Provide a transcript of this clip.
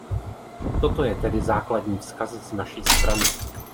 Toto je tedy základní vzkaz z naší strany.